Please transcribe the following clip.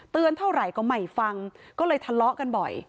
เท่าไหร่ก็ไม่ฟังก็เลยทะเลาะกันบ่อย